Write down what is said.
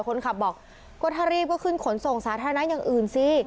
คนขับบอกก็ถ้ารีบก็ขึ้นขนส่งสาธารณะอย่างอื่นสิ